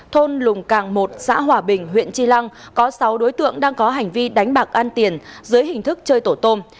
thôn lùng càng một xã hòa bình huyện tri lăng có sáu đối tượng đang có hành vi đánh bạc ăn tiền dưới hình thức chơi tổ tôm